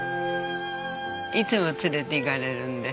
いつも連れていかれるんで。